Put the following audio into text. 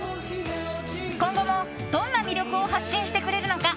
今後もどんな魅力を発信してくれるのか。